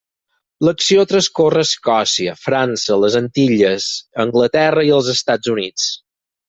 L'acció transcorre a Escòcia, França, les Antilles, Anglaterra i els Estats Units.